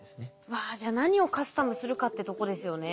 わじゃあ何をカスタムするかってとこですよね。